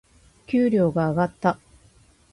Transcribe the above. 給料が上がった。